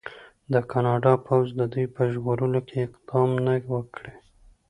د کاناډا پوځ د دوی په ژغورلو کې اقدام نه و کړی.